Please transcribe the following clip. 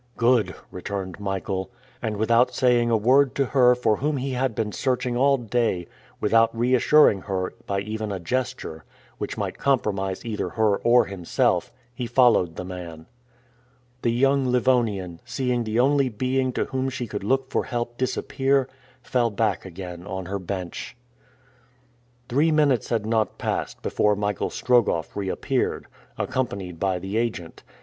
"Good," returned Michael. And without saying a word to her for whom he had been searching all day, without reassuring her by even a gesture, which might compromise either her or himself, he followed the man. The young Livonian, seeing the only being to whom she could look for help disappear, fell back again on her bench. Three minutes had not passed before Michael Strogoff reappeared, accompanied by the agent.